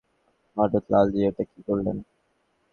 ভারত লালজি, এটা কী করলেন?